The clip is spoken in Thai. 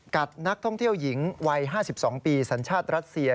นักท่องเที่ยวหญิงวัย๕๒ปีสัญชาติรัสเซีย